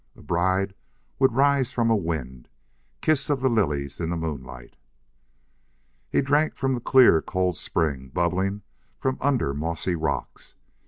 A bride would rise from a wind kiss of the lilies in the moonlight. He drank from the clear, cold spring bubbling from under mossy rocks.